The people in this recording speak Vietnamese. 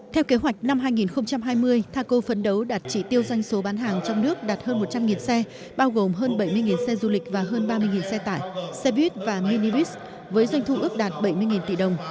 theo kế hoạch năm hai nghìn hai mươi thaco phấn đấu đạt chỉ tiêu doanh số bán hàng trong nước đạt hơn một trăm linh xe bao gồm hơn bảy mươi xe du lịch và hơn ba mươi xe tải xe buýt và mini buýt với doanh thu ước đạt bảy mươi tỷ đồng